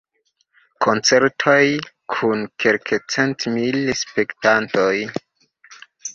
Koncertoj kun kelkcentmil spektantoj.